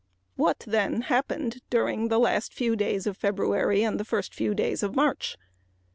What, then, happened during the last few days of February and the first few days of March?